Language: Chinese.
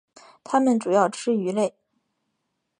它们主要吃鱼类。